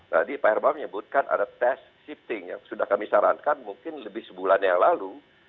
tadi pak herba menyebutkan ada tes shifting yang sudah kami sarankan mungkin lebih sebulan yang lalu